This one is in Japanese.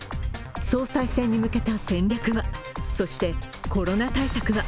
総裁選に向けた戦略は、そしてコロナ対策は。